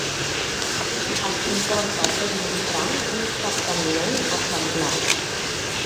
Es comporta tot mostrant un capteniment exemplar.